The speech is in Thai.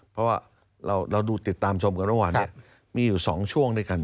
เพราะว่าเราดูติดตามชมกันระหว่างนี้มีอยู่๒ช่วงด้วยกัน